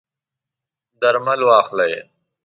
درمل واخلئ